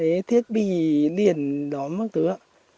cái thiết bị liền đó mất tứ ạ